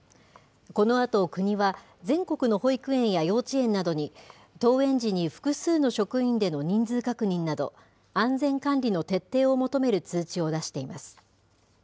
このあと、国は全国の保育園や幼稚園などに、登園時に複数の職員での人数確認など、安全管理の徹底を求める通知を出しています。